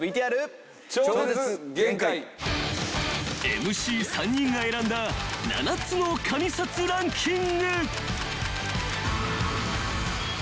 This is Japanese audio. ［ＭＣ３人が選んだ７つの「神撮ランキング」］